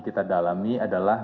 kita dalami adalah